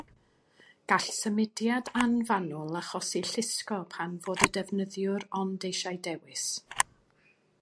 Gall symudiad anfanwl achosi llusgo pan fod y defnyddiwr ond eisiau dewis.